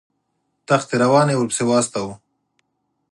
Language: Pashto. تخت روان یې ورپسې واستاوه.